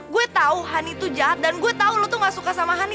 gue tau honey tuh jahat dan gue tau lo tuh gak suka sama honey